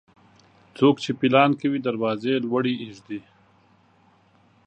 څوک چې پيلان کوي، دروازې لوړي اېږدي.